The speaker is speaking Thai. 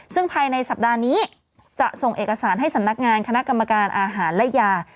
ซึ่งภายในสัปดาห์นี้จะส่งเอกสารให้สำนักงานคณะกรรมการอาหารและยา